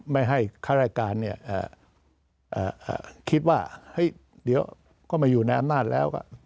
ไม่ให้ข้ารายการคิดว่าเฮ้ยเดี๋ยวก็มาอยู่ในอำนาจแล้ว